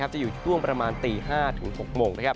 จะอยู่ช่วงประมาณตี๕ถึง๖โมง